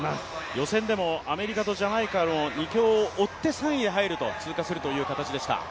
予選でもアメリカとジャマイカの２強を追って３位で通過するという形でした。